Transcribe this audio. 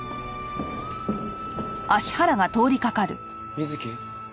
美月。